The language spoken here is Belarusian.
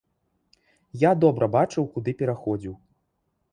Я добра бачыў, куды пераходзіў.